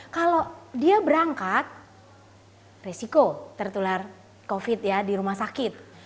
kalau dia berangkat resiko tertular covid ya di rumah sakit